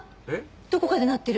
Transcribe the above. どこかで鳴ってる。